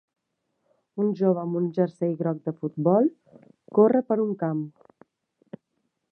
Una jove amb jersei groc de futbol corre per un camp.